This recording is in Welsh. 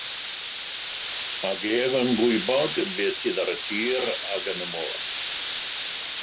Ac mae Ef yn gwybod beth sydd ar y tir ac yn y môr.